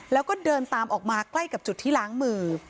แล้วก็เดินตามออกมาใกล้กับจุดที่ล้างมือ